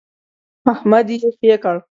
احمد يې خې کړ.